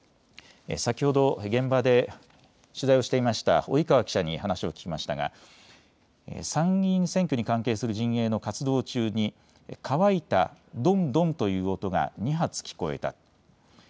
先ほど現場で取材をしていました及川記者に話を聞きましたが参議院選挙に関係する陣営の活動中に乾いたどんどんという音が２発聞こえた。